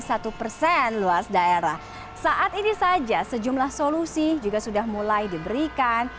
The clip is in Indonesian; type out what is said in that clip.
saat ini saja sejumlah solusi juga sudah mulai diberikan